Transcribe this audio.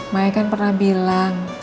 maikan pernah bilang